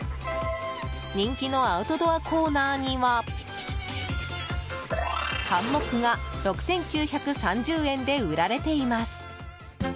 人気のアウトドアコーナーにはハンモックが６９３０円で売られています。